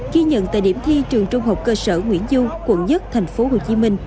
ghi nhận tại điểm thi trường trung học cơ sở nguyễn du quận một tp hcm